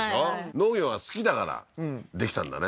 農業が好きだからできたんだね